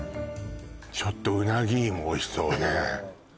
ちょっとうなぎいもおいしそうね